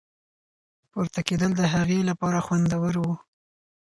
پورته کېدل د هغې لپاره خوندور وو.